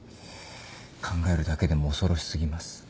考えるだけでも恐ろしすぎます。